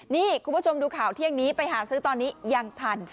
นี่คุณผู้ชมดูข่าวเที่ยงนี้ไปหาซื้อตอนนี้ยังทัน